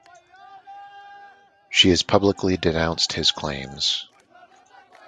She has publicly denounced his claims.